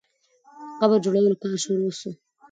د قبر جوړولو کار شروع سو.